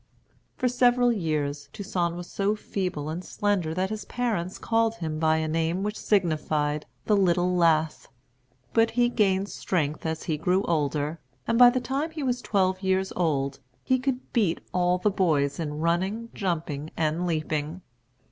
For several years Toussaint was so feeble and slender that his parents called him by a name which signified "The Little Lath." But he gained strength as he grew older; and by the time he was twelve years old he could beat all the boys in running, jumping, and leaping.